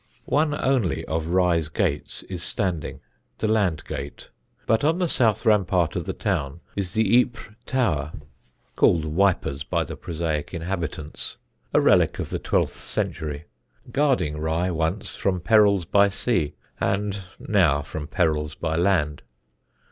One only of Rye's gates is standing the Landgate; but on the south rampart of the town is the Ypres Tower (called Wipers by the prosaic inhabitants), a relic of the twelfth century, guarding Rye once from perils by sea and now from perils by land.